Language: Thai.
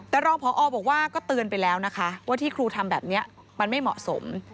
แต่รองพอบอกว่าก็เตือนไปแล้วนะคะว่าที่ครูทำแบบนี้มันไม่เหมาะสม